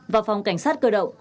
và phòng cảnh sát cơ động